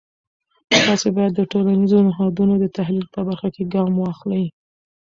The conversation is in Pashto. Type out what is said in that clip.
تاسې باید د ټولنیزو نهادونو د تحلیل په برخه کې ګام واخلی.